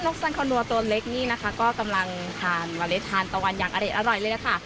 เจ้านกสันเขาหนัวตัวเล็กนี่ก็กำลังทานวะเลขาหนะวะเล็กอร่อยเลยนะคะ